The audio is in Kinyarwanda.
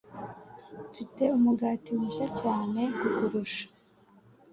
Mfite umugati mushya cyane kukurusha.